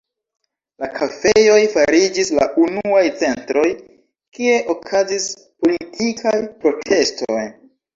La kafejoj fariĝis la unuaj centroj, kie okazis politikaj protestoj.